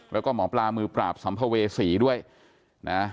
แล้วก็หมอปลามือปราบสัมภเวษีด้วยนะ